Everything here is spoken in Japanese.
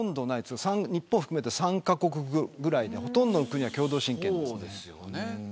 日本を含めて３カ国ぐらいでほとんどの国は共同親権です。